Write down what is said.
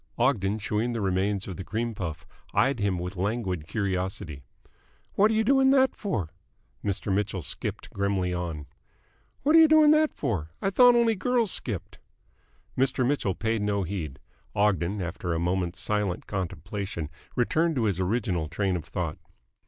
Ogden, chewing the remains of the cream puff, eyed him with languid curiosity. "What are you doing that for?" Mr. Mitchell skipped grimly on. "What are you doing that for? I thought only girls skipped." Mr. Mitchell paid no heed. Ogden, after a moment's silent contemplation, returned to his original train of thought.